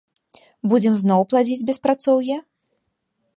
Будзем зноў пладзіць беспрацоўе?